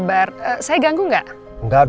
pertanyaan yang terakhir